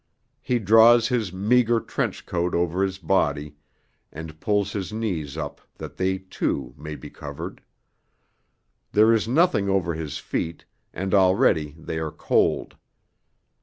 He draws his meagre trench coat over his body, and pulls his knees up that they, too, may be covered; there is nothing over his feet, and already they are cold.